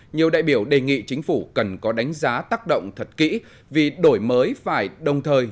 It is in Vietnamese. nhiều đại biểu đề nghị chính phủ cần có đánh giá tác động thật kỹ vì đổi mới phải đồng thời